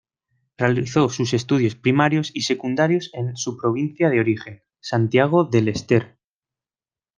Realizó sus estudios primarios y secundarios en su provincia de origen, Santiago del Estero.